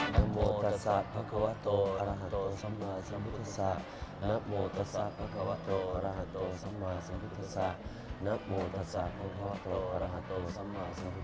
เนื้อมูลศาสตร์ภะกวะโตระหะโตสำหรัสสำพุทธศาสตร์